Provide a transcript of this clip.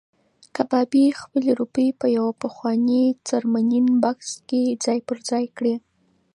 کبابي خپلې روپۍ په یو پخواني څرمنین بکس کې ځای پر ځای کړې.